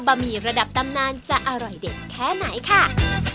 หมี่ระดับตำนานจะอร่อยเด็ดแค่ไหนค่ะ